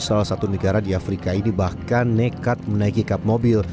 salah satu negara di afrika ini bahkan nekat menaiki kap mobil